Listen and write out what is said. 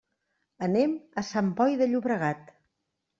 Anem a Sant Boi de Llobregat.